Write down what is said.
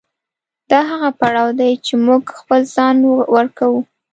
دا هغه پړاو دی چې موږ خپل ځان ورکوو.